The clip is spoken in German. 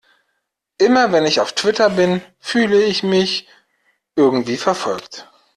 Immer, wenn ich auf Twitter bin, fühle ich mich irgendwie verfolgt.